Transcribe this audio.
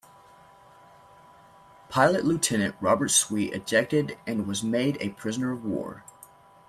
Pilot Lieutenant Robert Sweet ejected and was made a Prisoner of War.